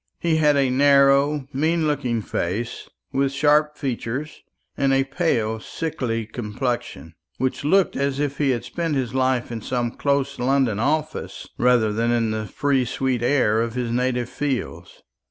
He had a narrow mean looking face, with sharp features, and a pale sickly complexion, which looked as if he had spent his life in some close London office rather than in the free sweet air of his native fields.